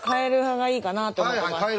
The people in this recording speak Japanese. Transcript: はい。